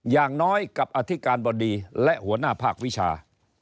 อย่างน้อยกับอธิการบดีและหัวหน้าภาควิชา